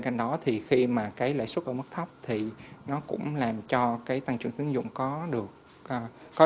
cạnh đó thì khi mà cái lãi suất ở mức thấp thì nó cũng làm cho cái tăng trưởng tín dụng có được có